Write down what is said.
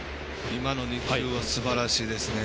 今の２球はすばらしいですね。